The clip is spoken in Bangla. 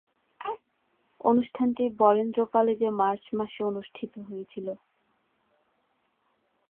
অনুষ্ঠানটি বরেন্দ্র কলেজে মার্চ মাসে অনুষ্ঠিত হয়েছিলো।